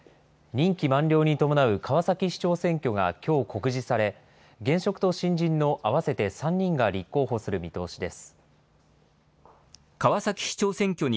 任期満了に伴う川崎市長選挙がきょう告示され、現職と新人の合わせて３人が立候補する見通しです。